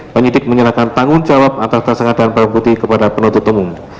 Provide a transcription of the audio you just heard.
penyidik menyerahkan tanggung jawab antara terserah dan berhubung kepada penutup umum